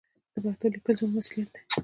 د پښتو لیکل زموږ مسوولیت دی.